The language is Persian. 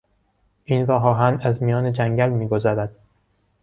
این راهآهن از میان جنگل میگذرد.